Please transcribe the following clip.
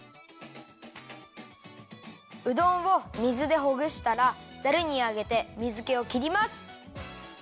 うどんを水でほぐしたらざるにあげて水けをきります！